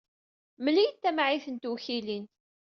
Mmel-iyi-d tamɛayt n tewkilin.